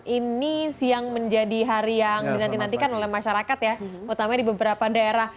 ini siang menjadi hari yang dinantikan oleh masyarakat ya utamanya di beberapa daerah